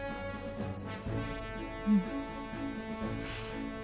うん。